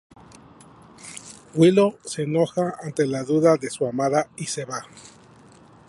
Willow se enoja ante la duda de su amada y se va.